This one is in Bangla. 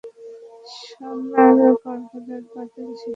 স্বর্ণার গর্ভজাত বাতিল শিশুটিকে সজীবের লোক পাতিলে ভরে নদীর জলে ভাসিয়ে দেয়।